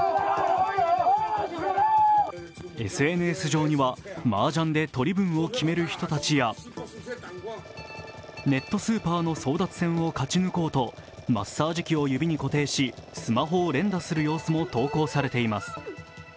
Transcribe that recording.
ＳＮＳ上にはマージャンで取り分を決める人たちやネットスーパーの争奪戦を勝ち抜こうとマッサージ器を指に固定し、スマホを連打する様子も投稿されています。